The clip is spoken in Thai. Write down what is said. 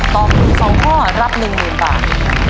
ตอบถูก๒ข้อรับ๑๐๐๐บาท